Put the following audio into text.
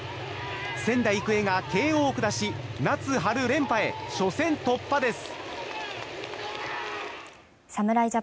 仙台育英が、慶應を下し夏春連覇へ、初戦突破です。